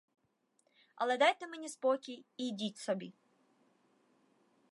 Але дайте мені спокій і йдіть собі.